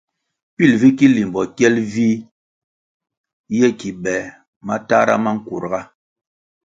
Pil vi ki limbo kyel vih ye ki be matahra ma nkurga.